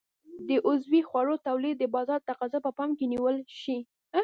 د عضوي خوړو تولید د بازار تقاضا په پام کې نیول شي.